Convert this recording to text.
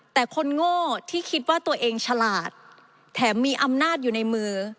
แต่คนโง่ที่คิดว่าตัวเองฉลาดแถมมีอำนาจอยู่ในมือ